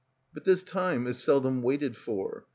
But this time is seldom waited for.